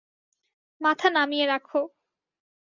মাথা নামিয়ে রাখো।